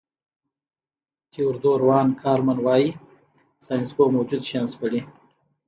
تیودور وان کارمن وايي ساینسپوه موجود شیان سپړي.